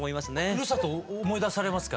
ふるさと思い出されますか？